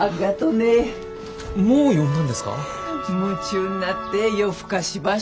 夢中になって夜更かしばした。